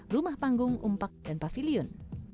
rumah panggung umpak dan pavilion